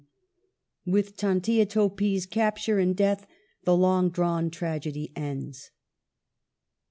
With Tantia Topi's capture and death the long drawn tragedy ends.